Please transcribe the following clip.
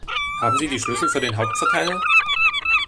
Haben Sie die Schlüssel für den Hauptverteiler?